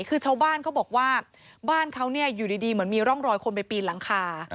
คือชาวบ้านเขาบอกว่าบ้านเขาอยู่ดีเหมือนมีร่องรอยคนไปปีนหลังคา